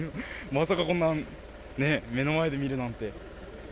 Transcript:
まさかこんなね、目の前で見るなんて。